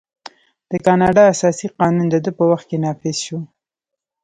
د کاناډا اساسي قانون د ده په وخت کې نافذ شو.